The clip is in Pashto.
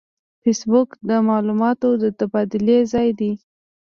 فېسبوک د معلوماتو د تبادلې ځای دی